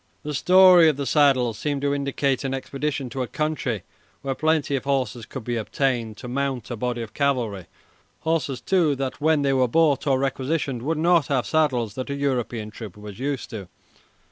The story of the saddles seemed to indicate an expedition to a country where plenty of horses could be obtained to mount a body of cavalry horses, too, that when they were bought or requisitioned would not have saddles that a European trooper was used to.